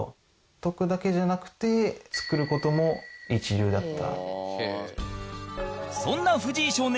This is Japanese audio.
解くだけじゃなくて作る事も一流だった。